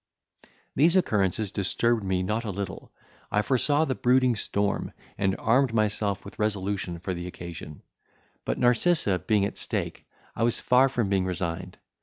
These occurrences disturbed me not a little; I foresaw the brooding storm, and armed myself with resolution for the occasion; but Narcissa, being at stake, I was far from being resigned.